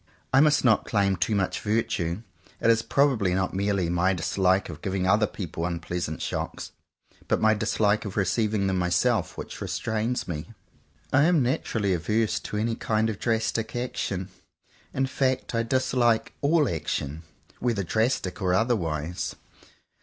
I must not claim too much virtue. It is probably not merely my dislike of giving other people unpleasant shocks, but my dislike of receiving them myself, which restrains me. I am naturally averse to any kind of drastic action. In fact I dislike all action, whether drastic or otherwise.